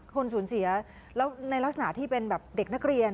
คนสูญเสียแล้วในลักษณะที่เป็นแบบเด็กนักเรียน